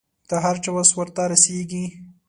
د هر چا وس ورته رسېږي.